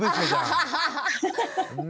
アハハハハ！